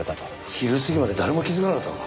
昼過ぎまで誰も気づかなかったのか？